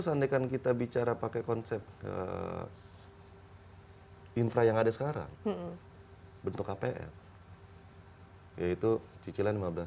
seandainya kita bicara pakai konsep infra yang ada sekarang bentuk kpr yaitu cicilan lima belas